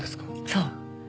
そう。